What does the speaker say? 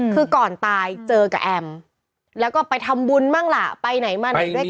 คือก่อนตายเจอกับแอมแล้วก็ไปทำบุญบ้างล่ะไปไหนมาไหนด้วยกัน